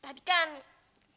anyaknya di mana